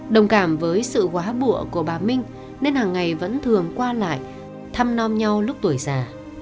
đồng cảm với sự quá bụa của bà minh nên hàng ngày vẫn thường qua lại thăm non nhau lúc tuổi già